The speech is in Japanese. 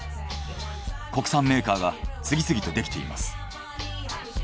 国産メーカーが次々とできています。